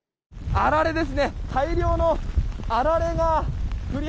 あられです。